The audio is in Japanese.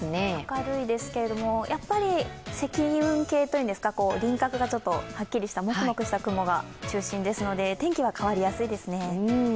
明るいですけども、やっぱり積雲系というんですか輪郭がちょっとはっきりしたもくもくした雲が中心ですので天気は変わりやすいですね。